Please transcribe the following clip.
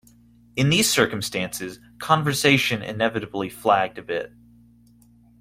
In these circumstances, conversation inevitably flagged a bit.